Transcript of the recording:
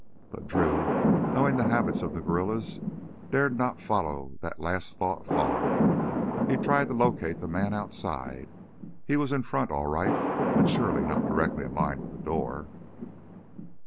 But Drew, knowing the habits of the guerrillas, dared not follow that last thought far. He tried to locate the man outside; he was in front all right, but surely not directly in line with the door.